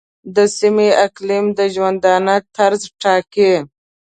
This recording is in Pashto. د سیمې اقلیم د ژوندانه طرز ټاکي.